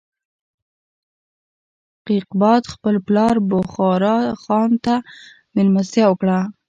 کیقباد خپل پلار بغرا خان ته مېلمستیا وکړه.